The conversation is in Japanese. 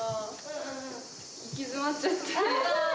行き詰まっちゃって。